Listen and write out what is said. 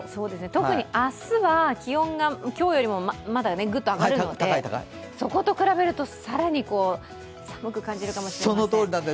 特に明日は、気温が今日よりもまだぐっと上がるのでそこと比べると更に寒く感じるかもしれません。